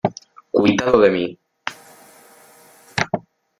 ¡ cuitado de mí!